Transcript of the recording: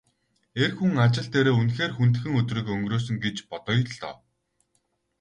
Эр хүн ажил дээрээ үнэхээр хүндхэн өдрийг өнгөрөөсөн гэж бодъё л доо.